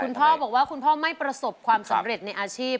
คุณพ่อบอกว่าคุณพ่อไม่ประสบความสำเร็จในอาชีพ